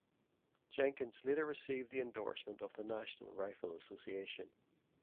Jenkins later received the endorsement of the National Rifle Association.